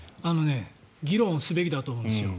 議論すべきだと思うんですよ。